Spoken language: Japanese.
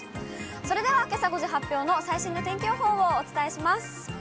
それではけさ５時発表の最新の天気予報をお伝えします。